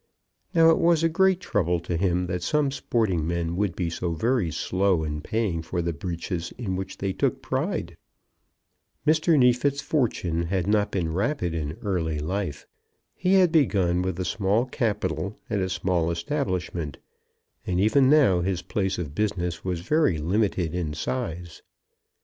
Now, it was a great trouble to him that some sporting men would be so very slow in paying for the breeches in which they took pride! Mr. Neefit's fortune had not been rapid in early life. He had begun with a small capital and a small establishment, and even now his place of business was very limited in size.